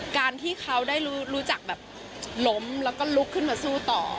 การที่เขาได้รู้จักแบบล้มแล้วก็ลุกขึ้นมาสู้ต่อ